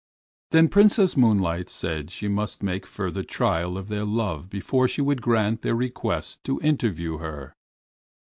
Then Princess Moonlight said she must make further trial of their love before she would grant their request to interview her.